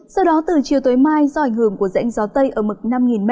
sau đó từ chiều tới mai do ảnh hưởng của dãy gió tây ở mực năm m